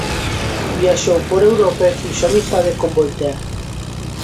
Viaxou por Europa e fixo amizade con Voltaire.